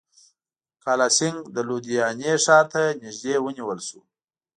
کالاسینګهـ د لودیانې ښار ته نیژدې ونیول شو.